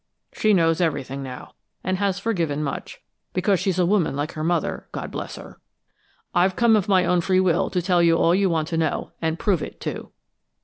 She knows everything now, and has forgiven much, because she's a woman like her mother, God bless her! I've come of my own free will, to tell you all you want to know, and prove it, too!"